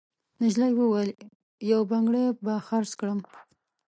نجلۍ وویل: «یو بنګړی به خرڅ کړم.»